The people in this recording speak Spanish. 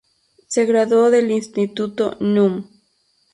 Se graduó del Instituto Núm.